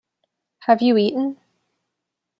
Have you eaten?